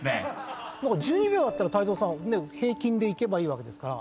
１２秒あったら泰造さん平均でいけばいいわけですから。